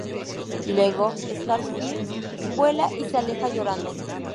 Luego, Starfire vuela y se aleja llorando.